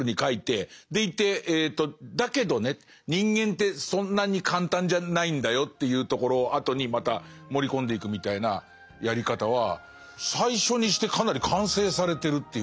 でいてだけどね人間ってそんなに簡単じゃないんだよっていうところをあとにまた盛り込んでいくみたいなやり方は最初にしてかなり完成されてるっていうか。